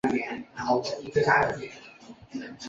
利松站位于利松市区的南部。